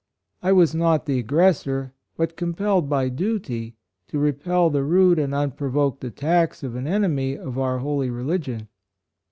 I was not the ag gressor, but compelled by duty to repel the rude and unprovoked attacks of an enemy of our holy religion.